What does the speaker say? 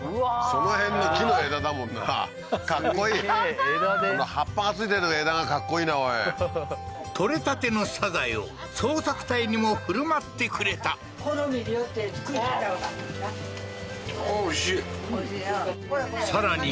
その辺の木の枝だもんなかっこいい枝で葉っぱが付いてる枝がかっこいいなおい取れたてのサザエを捜索隊にも振る舞ってくれた美味しいやろさらに